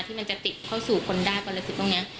ที่มันจะติดเข้าสู่คนด้านประสิทธิ์ตรงนี้